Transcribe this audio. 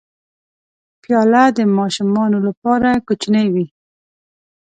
پیاله د ماشومانو لپاره کوچنۍ وي.